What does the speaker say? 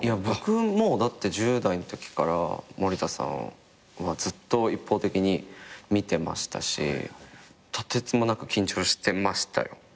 僕もうだって１０代のときから森田さんはずっと一方的に見てましたしとてつもなく緊張してましたよ。